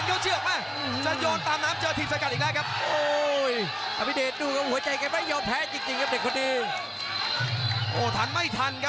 ลุยจอดหมอบอลล้อมเข้าไปอีกที